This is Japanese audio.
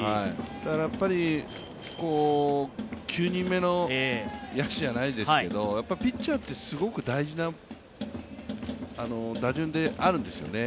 だから９人目の野手じゃないですけれども、ピッチャーってすごく大事な打順であるんですよね。